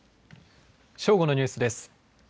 正午のニュースです。